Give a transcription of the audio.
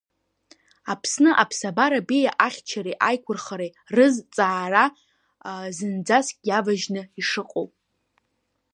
Аԥсны аԥсабара беиа ахьчареи аиқәырхареи рыз ҵаара зынӡаск иаважьны ишыҟоу.